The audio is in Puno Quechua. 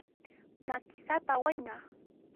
Makisapa wayna.